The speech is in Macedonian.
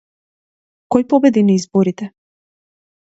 Кој победи на изборите?